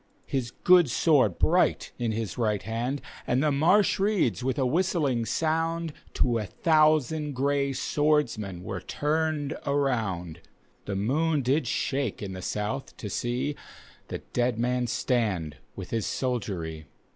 His good sword bright in his right hand, And the marsh reeds with a whistling sound. To a thousand gray swordmien were turned around. The moon did shake in the soudi to see, llie dead man stand with his soldiery.